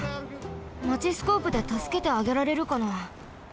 マチスコープでたすけてあげられるかな？